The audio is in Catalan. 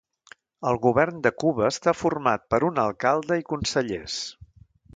El govern de Cuba està format per un alcalde i consellers.